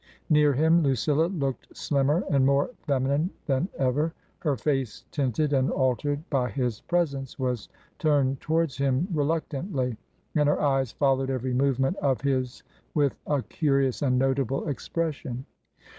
Near him Lucilla looked slimmer and more feminine than ever. Her face tinted and altered by his presence was turned towards him reluc tantly, and her eyes followed every movement of his with a curious and notable expression.